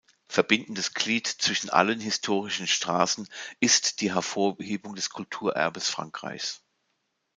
Verbindendes Glied zwischen allen historischen Straßen ist die Hervorhebung des Kulturerbes Frankreichs.